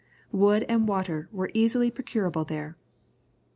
Wood and water were easily procurable there.